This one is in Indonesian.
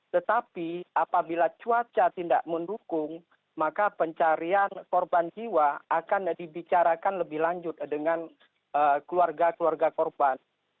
tetapi apabila cuaca tidak mendukung maka pencarian korban jiwa akan dibicarakan lebih lanjut dengan keluarga keluarga korban